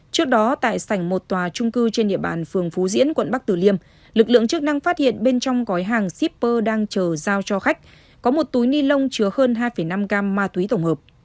trước đó tại sảnh một tòa trung cư trên địa bàn phường phú diễn quận bắc tử liêm lực lượng chức năng phát hiện bên trong gói hàng shipper đang chờ giao cho khách có một túi ni lông chứa hơn hai năm gram ma túy tổng hợp